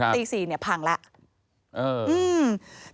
ตี๔เนี่ยพังเลย